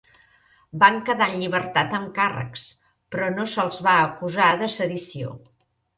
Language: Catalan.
Van quedar en llibertat amb càrrecs, però no se'ls va acusar de sedició.